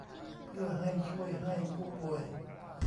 เพื่อให้ช่วยให้ผู้ป่วย